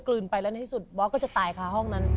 ลืนไปแล้วในที่สุดบอสก็จะตายค่ะห้องนั้น